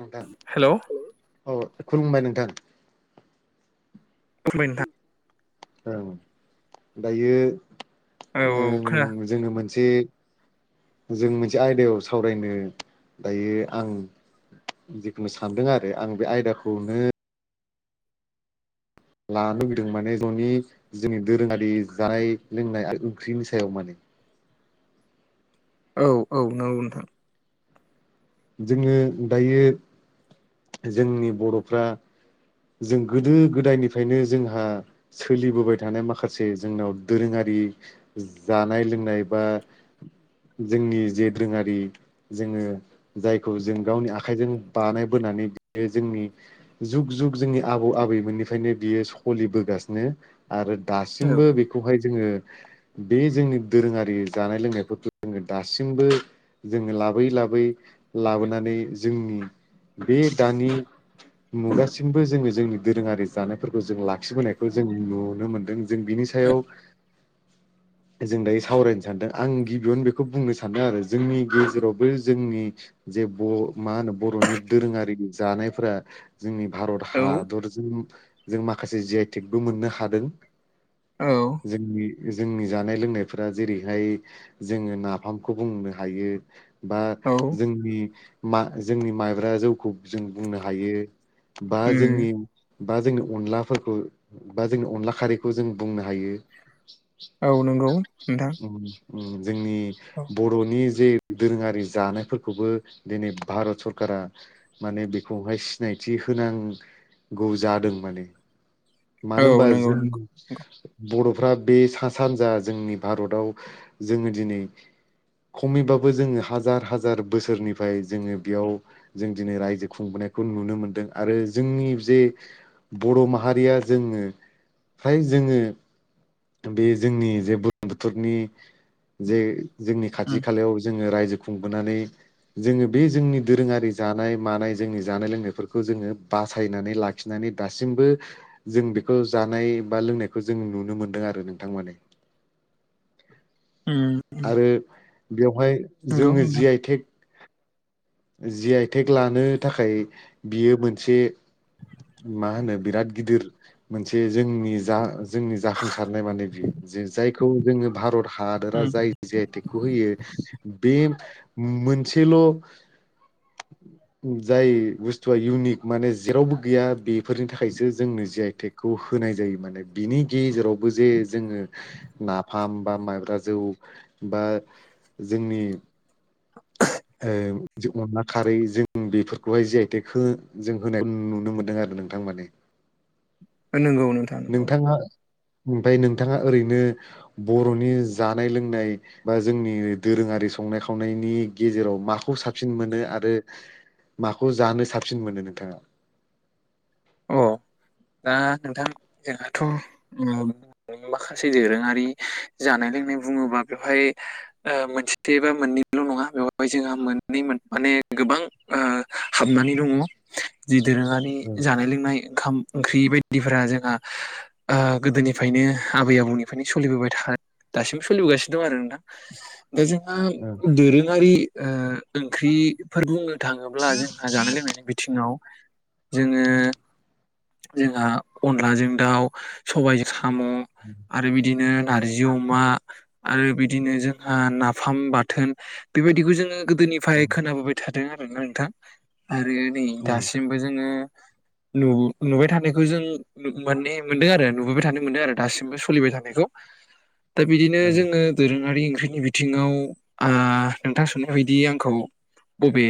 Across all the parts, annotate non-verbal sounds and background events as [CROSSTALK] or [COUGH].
नोंथां हेलौ औ खुलुमबाय नोंथां थां खुलुमबाय नोंथां औ दायो औ औ ओं खोना जों मोन मोनसे जों मोनसे आयदायाव सावरायनो दायो आं जिखुनु सानदों आरो आं बे आयदाखौनो लानो लुुबैदों माने न'नि जोंनि दोरोङारि जानाय लोंनाय ओंख्रिनि सायाव माने। औ औ नंगौ नोंथां। जोङो दायो जोंनि बर'फ्रा जों गोदो गोदायनिफ्रायनो जोंहा सोलिबोबाय थानाय माखासे जोंनाव दोरोङारि जानाय लोंनाय बा जोंनि जे दोरोङारि जोङो जायखौ जों गावनि आखाइजों बानायबोनानै बेयो जोंनि जुग जुग जोंनि आबौ आबैमोननिफ्रायनो बियो सलिबोगासिनो। आरो औ दासिमबो बेखौहाय जोङो बे जोंनि दोरोङारि जानाय लोंनायफोरखौ जोङो दासिमबो जोङो लाबोयै लाबोयै लाबोनानै जोंनि बे दानि मुगा सिमबो जोङो जोंनि दोरोङारि जानायफोरखौ जों लाखिबोनायखौ जों नुनो मोनदों। जों बिनि सायाव जों दायो सावरायनो सानदों। आं गिबियावनो बेखौ बुंनो सानदों आरो जोंनि गेजेरावबो जोंनि जे बर' मा होनो बर'नि दोरोङारि जानायफोरा जोंनि भारत औ हादरजों जों माखासे जि आइ टेकबो मोननो हादों। औ जोंनि जोंनि जानाय लोंनायफोरा जेरैहाय जोङो नाफामखौ बुंनो हायो। बा औ जोंनि मा जोंनि माइब्रा जौखौ जों बुंनो हायो। बा उम जोंनि बा जोंनि अनलाफोरखौ बा जोंनि अनला खारैखौ जों बुंनो हायो। औ नंगौ नोंथां। उम उम। जोंनि औ बर'नि जे दोरोङारि जानायफोरखौबो दिनै भारत सरखारा माने बेखौहाय सिनायथि होनांगौ जादों माने। औ मानो होनबा नंगौ जों नंगौ बर' बर'फ्रा बे सा सानजा जोंनि भारताव जोङो दिनै खमैबाबो जोङो हाजार हाजार बोसोरनिफ्राय जोङो बेयाव जों दिनै रायजो खुंबोनायखौ नुनो मोनदों। आरो जोंनि जे बर' माहारिया जोङो फ्राय जोङो बे जोंनि जे बुर्लुंबुथुरनि जे जोंनि खाथि उम खालायाव जोङो राय जो खुंबोनानै जोङो बे जोंनि दोरोङारि जानाय मानाय जोंनि जानाय लोंनायफोरखौ जोङो बासायनानै लाखिनानै दासिमबो जों बेखौ जानाय बा लोंनायखौ जों नुनो मोनदों आरो नोंथां माने। उम आरो बेवहाय नंगौ जोङो नोंथां G I tech G I tech लानो थाखाय बियो मोनसे मा होनो बिराद गिदिर मोनसे जोंनि जा जोंनि जाफुंसारनाय माने बियो जे जायखौ जोङो भारत हादरा उम जाय जि आइ टेकखौ होयो बे मोनसेल' जाय बुस्थु थुआ इउनिक माने जेरावबो गैया बेफोरनि थाखायसो जोंनो जि आइ टेकखौ होनाय जायो माने बिनि गेजेराव बो जे जोङो नाफाम बा माइब्रा जौ बा जोंनि ओ जों अनला खारैजों बेफोरखौहाय जेहथे जों होनाय नुनो मोनदों आरो नोंथां माने नंगौ नोंथा नंगौ नोंथाङा ओमफ्राय नोंथाङा ओरैनो बर'नि जानाय लोंनाय बा जोंनि दोरोङारि संनाय खावनायनि गेजेराव माखौ साबसिन मोनो आरो माखौ जानो साबसिन मोनो नोंथाङा औ दा नोंथां जोंहाथ' माखासे दोरोङारि जानाय लोंनाय बुङोबा बेवहाय मोनसेबा मोननैल' नङा बेवहाय जोंहा मोननै- माने गोबां हाबनानै दङ। जि दोरोङारि ओं जानाय लोंनाय ओंखाम ओंख्रि बायदिफोरा जोंहा ओ गोदोनिफ्रायनो आबै आबौनिफ्रायनो सोलिबोबाय थाखा दासिमबो सोलिबोगासिनो दं आरो नोंथां दा जोंहा ओं दोरोङारि ओ ओंख्रिफोर बुङो थाङोब्ला जोंहा जानाय लोंनायनि बिथिङाव [UNINTELLIGIBLE] जोङो जोंहा अनलाजों दाउ सबायजों साम' आरो बिदिनो नारजि अमा आरो बिदिनो जोंहा नाफाम बाथोन बेबायदिखौ जोङो गोदोनिफ्राय उम खोनाबोबाय था दों आरोना नोंथां आरो नै उम दासिमबो जोङो नु नुबाय थानायखौ जों- नु माने मोनदों आरो नुबोबाय थानो मोनदों आरो दासिमबो सोलिबाय थानायखौ दा बिदिनो औ जोङो दोरों ङारि ओंख्रिनि बिथिङाव ओ नोंथां सोंनाय बायदि आंखौ बबे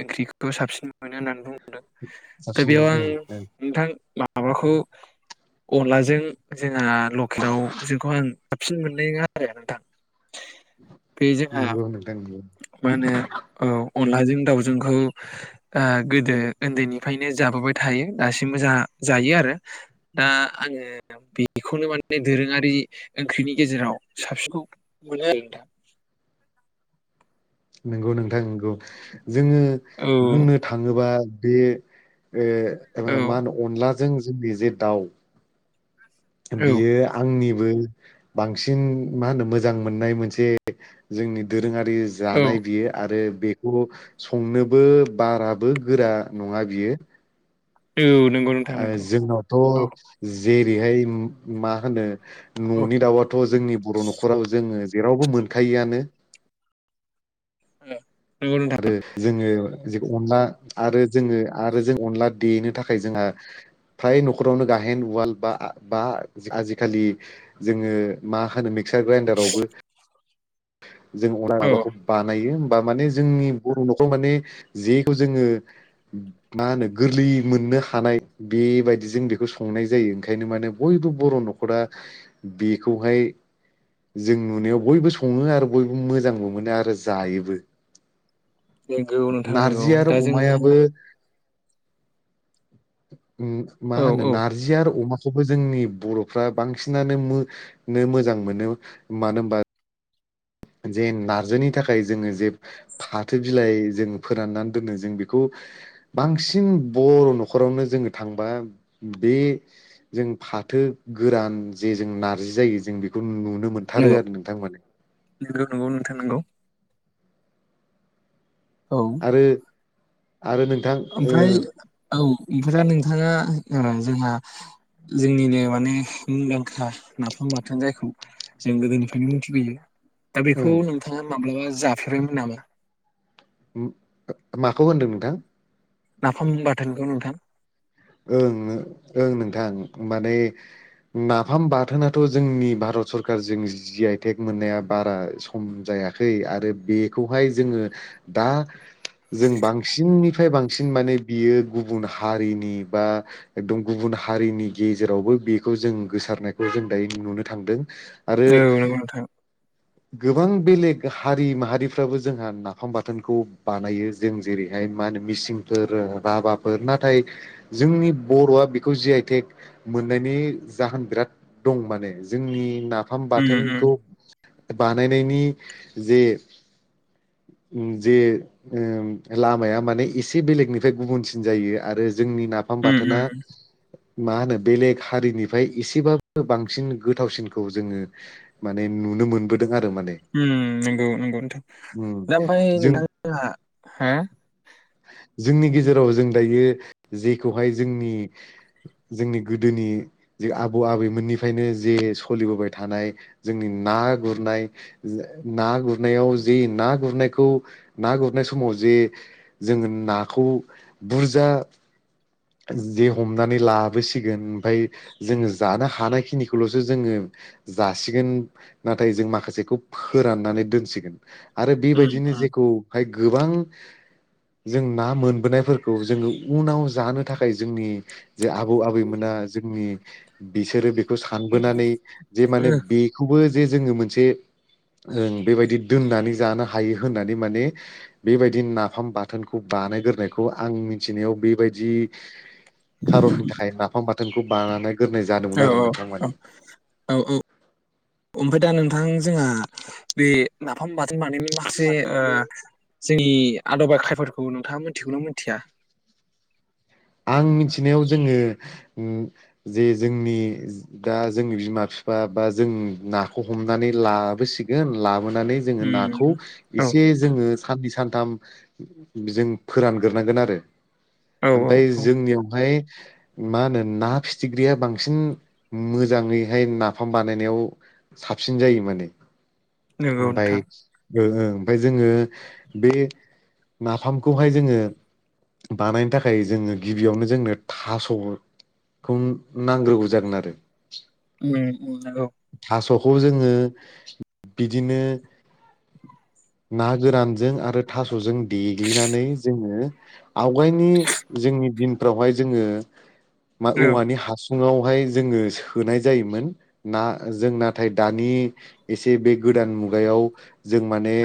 ओंख्रिखौ साबसिन ‌ मोननो होननानै बुंदों दा साबसिन बेयाव आं ओं ओं नोंथां माबाखौ अनलाजों जे लकेलाव जोंखौ आं साबसिन मोननाय नङा आरो नोंथां बे जोंहा नंगौ नोंथां नंगौ मा होनो ओ अनलाजों दाउजोंखौ ओ गोदो उन्दैनिफ्राय‌ नो जाबोबाय थायो दासिमबो जा जायो आरो दा आङो बेखौनो माने दोरोङारि ओंख्रिनि गेजेराव साबसिनखौ मोनो आरो नोंथां। नंगौ नोंथां नंगौ। जोङो बुंनो थाङोबा। बे ओ। जोङो नोंथां औ मा होनो अनला जों जोंनि जे दाउ औ बियो आंनि बांसिन मा होनो मोजां मोननाय मोनसे जोंनि दोरोङारि औ जानाय बियो आरो बेखौ संनोबो बाराबो गोरा नङा बियो। औ नंगौ नोंथां आरो नांगौ औ‌। जोंनावथ' जेरैहाय मा होनो औ न'नि दाउआथ' जोंनि बर' न'खराव जोङो जेरावबो मोनखायोआनो। औ। आरो जोङो। अनला आरो जोङो आरो जों अनला देनो थाखाय जोंहा फ्राय न'खरावनो गाहेन उवाल बा बा आजिखालि जोङो मा होनो बे मिक्सार ग्राइन्डारावबो [INAUDIBLE] जों अनला औ माबाखौ बानायो। बा माने ज जोंनि बर' न'खराव माने जेखौ जोङो मा होनो गोरलै मोननो हानाय बेबायदि जों बेखौ संनाय जायो ओंखायनो माने बयबो बर' न'खरा बेखौहाय जों नुनायाव बयबो सङो आरो बयबो मोजांबो मोनो आरो जायोबो। नंगौ नोंथां नंगौ नारजि आरो दा जोंहा अमायाबो [INAUDIBLE] ओह मा औ होनो औ नारजि आरो अमा खौबो जोंनि बर'फ्रा बांसिनानो मो मोजां मोनो मानो होमबा जे नार्जिनि थाखाय जोङो जे फाथो बिलाइ जों फोराननानै दोनो जों बेखौ बांसिन बर' न'खरावनो जोङो थांबा बे जों फाथो गोरान जे जों नार्जि जायो जों बेखौ नुनो नो मोनथारो नंगौ आरो नोंथां माने। नंगौ नोंथां नंगौ। औ आरो आरो नोंथां‌ ओमफ्राय ओह औ ओमफ्राय नोंथाङा जोंहा जोंनिनो माने मुंदांखा नाफाम बाथोन जायखौ जों गोदोनिफ्रायनो मिथिबोयो दा ओं बेखौ नोंथाङा माब्लाबा जाफेरबायमोन नामा? माखौ होनदों नोंथां? नाफाम बाथोनखौ नोंथां ओं ओं नोंथां माने नाफाम बाथोनथ' जोंनि भारत सरकारजों जि आइ टेक मोननाया बारा सम जायाखै आरो बेखौहाय जोङो दा जों बांसिननिफ्राय बांसिन माने बियो गुबुन हारिनि बा एकदम गुबुन हारिनि गेजेरावबो बेखौ जों गोसारनायखौ जों दायो नुनो थांदों। आरो औ नंगौ नोंथां गोबां बेलेग हारि माहारिफ्राबो जोंहा नाफाम बाथोनखौ बानायो जों जेरैहाय मा होनो मिसिंफोर राभाफोर नाथाय जोंनि बर'आ बेखौ जि आइ टेक मोननायनि जाहोन बिराद दं माने जोंनि ना नाफाम उम उम बाथोनखौ बानायनायनि जे जे ओम लामाया ओम माने एसे बेलेगनिफ्राय गुबुनसिन जायो आरो जोंनि फाम उम बाथोना उम मा होनो बेलेग हारिनिफ्राय एसेबाबो बांसिन गोथावसिनखौ जोङो माने नुनो मोनबोदों आ ओम नंगौ नंगौ नोंथां दा ओमफ्राय जों नोंथांहा हो जोंनि गेजेराव जों दायो जि खौहाय जोंनि जोंनि गोदोनि जे आबौ आबैमोननिफ्रायनो जे सोलिबोबाय थानाय जोंनि ना गुरनाय ना गुरनायाव जे ना गुरनायखौ ना गुरनाय समाव जे जोङो नाखौ बुरजा जे हमनानै लाबोसिगोन ओमफाय जोङो जानो हानायखिनिखौल'सो जोङो जासिगोन नाथाय जों माखासेखौ फोराननानै दोनसिगोन आरो उम बेबायदिनो उम जेखौहाय गोबां जों ना मोनबोनायफोरखौ जोङो उनाव जानो थाखाय जोंनि जे आबौ आबैमोना जोंनि बिसोरो बे सानबोनानै जे माने बेखौबो जे जोङो मोनसे ओ बेबायदि दोननानै जानो हायो होननानै माने बेबायदि नाफाम बाथोनखौ बानायग्रायखौ आं मिथिनायाव बेबायदि खार'ननि थाखाय ना फाम बाथोनखौ बानानै औ औ औ औ औ ओमफ्राय दा नों थां जोंहा बे नाफाम बाथ‌ [UNINTELLIGIBLE] माखासे ओ जोंनि आदबा खायाफोरखौ नोंथाङा मिथिगौनो मिथिया? आं मिथिनायाव जोङो जे जोंनि दा जोंनि बिमा बिफा बा जों नाखौ हमनानै लाबोसिगोन लाब‌ [UNINTELLIGIBLE] जोङो उम नाखौ औ एसे जोङो खाननै सानथाम जों फोरानग्रोनांगोन आरो औ औ फाय औ जोंनियावहाय मा होनो ना फिथिख्रिया बांसिन मोजाङैहाय नाफाम बानायनायाव साबसिन जायो माने नंगौ ओमफाय नोंथां ओ ओं ओमफ्राय जोङो बे नाफामखौहाय जोङो बानायनो थाख खाय जोङो गिबियावनो जोंनो थास'खौ नांग्रोगौ जागोन आरो उम नोंगै खौ जोङो बिदिनो ना गोरानजों आरो थास'जों देग्लिनानै जोङो आवगायनि जोंनि दिनफ्रावहाय जोङो मा औ औ औवानि हासुं सुङावहाय जोङो सोनाय जायोमोन ना जों नाथाय दानि एसे बे गोदान मुगायाव जों माने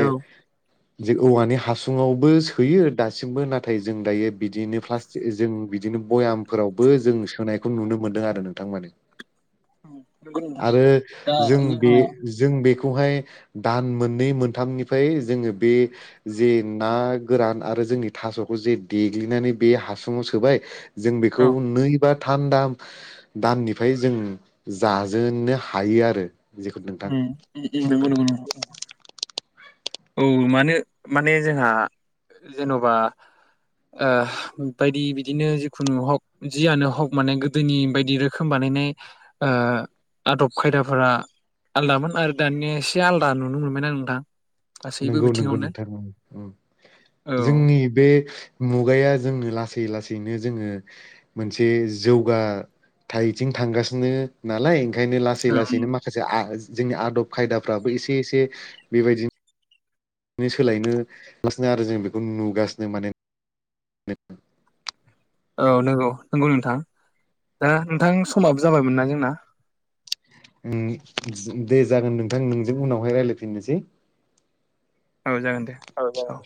जे औवानि हासुङावबो सोयो दासिमबो नाथाय जों दायो बिदिनो प्लास्टिक जों बिदिनो भयामफोरावबो जों सोनायखौ नुनो मोनदों आरो नोंथां माने उम, नंगौ नोंथां आरो दा जों जोंहा बे जों बेखौ खौहाय दान मोननै मोनथामनि फाय जोङो बे जे ना गोरान आरो जोंनि थास'खौ जे देग्लिनानै बे हासुङाव सोबाय जों बेखौ औ नै बा थाम दान दाननिफ्राय जों जाजेननो हायो आरो जेखौ नोंथां उम-उम नंगौ नंगौ नोंथां औ मानो माने जोंहा जेन'बा ओ बायदि बिदिनो जिखुनु हक जियानो हक माने गोदोनि बायदि रोखोम बानायनाय ओ आदब खायदाफोरा आलादामोन आरो दानिया एसे आलादा नुनो मोनबाय आ नोंथां गासैबो नंगौ नंगौ बिथिङावनो नोंथा उम उम औ जोंनि बे मुगाया जोंनो लासै लासै जोंनो जोङो मोनसे जौगाथायाइथिं थांगासिनो नालाय ओंखायनो लासै औ लासैनो माखासे जोंनि आदब खायदाफ्राबो एसे एसे बेबायदिनो सोलायनो थांगासिनो आरो जों बेखौ नुगासिनो माने औ नंगौ नंगौ नोंथां दा नोंथां समाबो जाबायमोन ना जोंना उम दे जागोन नोंथां नोंजों उनावहाय रायलायफिननोसै औ जागोन दे औ